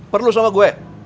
perlu sama gue